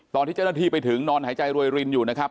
ตอนที่เจ้าหน้าที่ไปถึงนอนหายใจรวยรินอยู่นะครับ